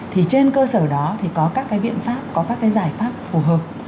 thì trên cơ sở đó thì có các cái biện pháp có các cái giải pháp phù hợp